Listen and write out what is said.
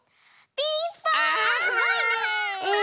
ピンポーン！